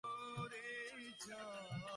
জীবনের আর কোন প্রকার ব্যাখ্যা দেওয়া যায় না।